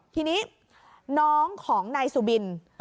ทีนี้น้องของนายสุบิน